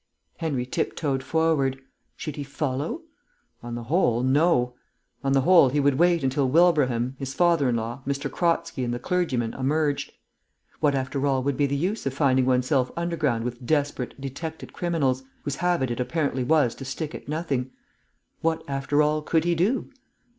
Henry tiptoed forward; should he follow? On the whole no. On the whole he would wait until Wilbraham, his father in law, M. Kratzky, and the clergyman emerged. What, after all, would be the use of finding oneself underground with desperate, detected criminals, whose habit it apparently was to stick at nothing? What, after all, could he do?